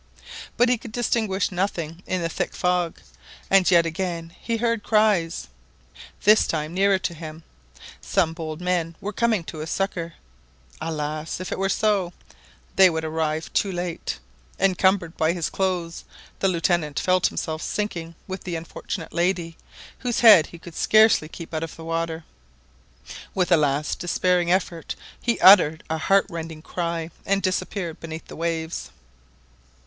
But he could distinguish nothing in the thick fog. And yet he again beard cries, this time nearer to him. Some bold men were coming to his succour! Alas! if it were so, they would arrive too late. Encumbered by his clothes, the Lieutenant felt himself sinking with the unfortunate lady, whose head he could scarcely keep above the water. With a last despairing effort he uttered a heartrending cry and disappeared beneath the waves.